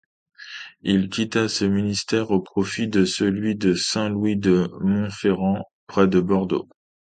Il quitta ce ministère au profit de celui de Saint-Louis-de-Montferrand près de Bordeaux.